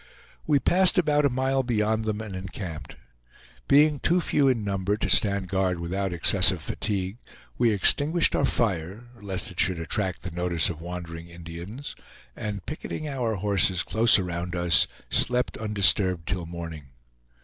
We passed about a mile beyond them, and encamped. Being too few in number to stand guard without excessive fatigue, we extinguished our fire, lest it should attract the notice of wandering Indians; and picketing our horses close around us, slept undisturbed till morning.